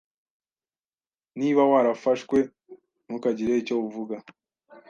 Niba warafashwe, ntukagire icyo uvuga.